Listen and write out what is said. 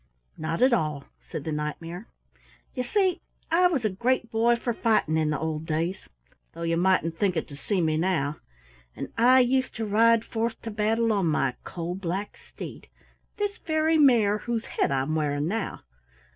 "Not at all," said the Knight mare. "You see I was a great boy for fighting in the old days though you mightn't think it to see me now and I used to ride forth to battle on my coal black steed, this very mare whose head I'm wearing now.